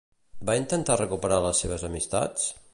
Va intentar recuperar les seves amistats?